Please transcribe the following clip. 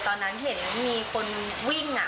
ตอนนั้นเห็นมีคนวิ่ง